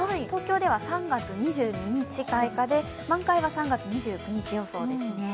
東京では３月２２日開花で満開は３月２９日予想です。